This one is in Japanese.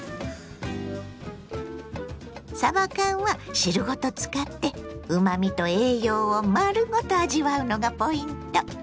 さば缶は汁ごと使ってうまみと栄養を丸ごと味わうのがポイント。